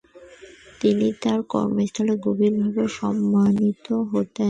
তিনি তার কর্মস্থলে গভীরভাবে সম্মানিত হতেন।